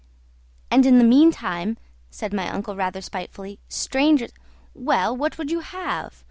"And in the meantime," said my uncle rather spitefully, "strangers " "Well, what would you have?